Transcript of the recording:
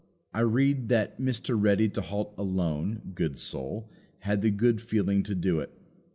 I read that Mr. Ready to halt alone, good soul, had the good feeling to do it.